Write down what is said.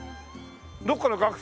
どこかの学生？